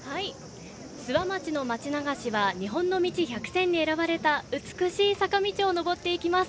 諏訪町の町流しは日本の道１００選に選ばれた美しい坂道を上っていきます。